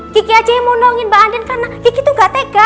kiki aja yang mau nongin mbak andi karena kiki tuh nggak tega